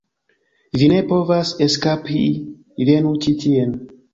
Vi ne povas eskapi, venu ĉi tien!